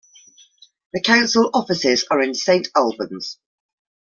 The council offices are in Saint Albans.